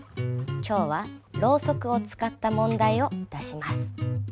今日はロウソクを使った問題を出します。